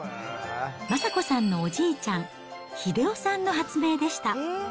昌子さんのおじいちゃん、秀雄さんの発明でした。